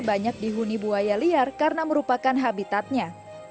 banyak dihuni buaya liar karena merupakan habitatnya